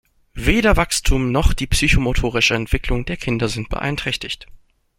Weder Wachstum noch die psychomotorische Entwicklung der Kinder sind beeinträchtigt.